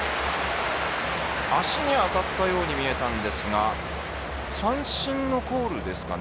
足に当たったように見えたんですが三振のコールですかね。